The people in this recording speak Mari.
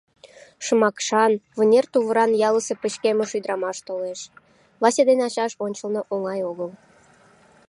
— Шымакшан, вынер тувыран ялысе пычкемыш ӱдрамаш толеш — Вася ден ачаж ончылно оҥай огыл.